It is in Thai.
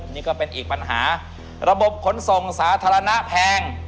นี่ก็เป็นอีกปัญหาระบบขนส่งสาธารณะแพง